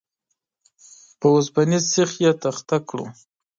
پر اوسپنيز سيخ يې تخته کړل.